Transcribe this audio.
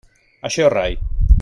Això rai.